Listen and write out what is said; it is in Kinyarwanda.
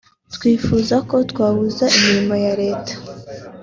Twifuza ko twahuza imirimo ya Leta